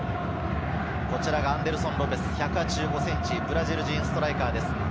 アンデルソン・ロペスは１８５ｃｍ、ブラジル人ストライカーです。